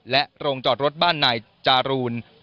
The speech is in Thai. โรงจอดรถบ้านนายจารูน